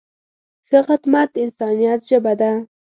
ښه خدمت د انسانیت ژبه ده.